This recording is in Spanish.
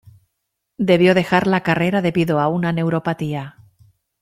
Debió dejar la carrera debido a una neuropatía.